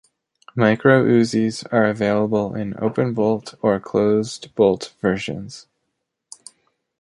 Micro-Uzis are available in open-bolt or closed-bolt versions.